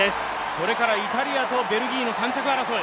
それからイタリアとベルギーの３着争い。